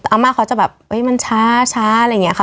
อาม่าเขาจะแบบมันช้าอะไรอย่างนี้ค่ะ